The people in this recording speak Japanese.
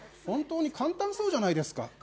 本当に簡単そうじゃないですか」